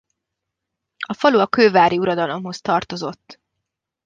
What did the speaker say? A falu a kővári uradalomhoz tartozott.